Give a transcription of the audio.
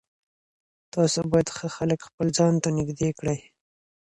تاسو باید ښه خلک خپل ځان ته نږدې کړئ.